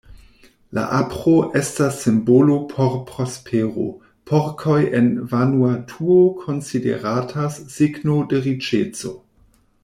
La apro estas simbolo por prospero, porkoj en Vanuatuo konsideratas signo de riĉeco.